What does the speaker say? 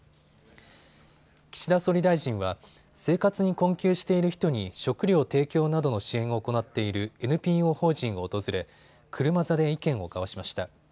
岸田総理大臣は生活に困窮している人に食料提供などの支援を行っているＮＰＯ法人を訪れ車座で意見を交わしました。